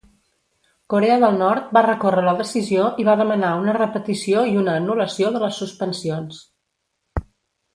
Korea del Nord va recórrer la decisió i va demanar una repetició i una anul·lació de les suspensions.